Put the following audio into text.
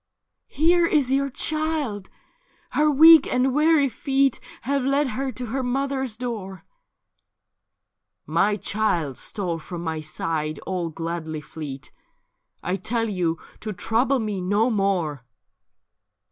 ' Here is your child ; her weak and weary feet Have led her to her mother's door.' ' My child stole from my side all gladly fleet ; I tell yon to trouble me no more.'